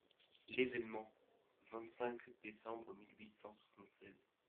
L'ÉVÉNEMENT, vingt-cinq décembre mille huit cent soixante-seize.